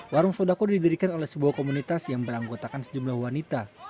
warung sodako didirikan oleh sebuah komunitas yang beranggotakan sejumlah wanita